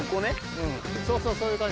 うんそうそうそういう感じ。